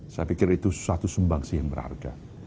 saya pikir itu suatu sumbangsi yang berharga